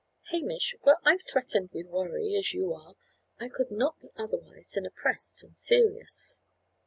"Hamish, were I threatened with worry, as you are, I could not be otherwise than oppressed and serious."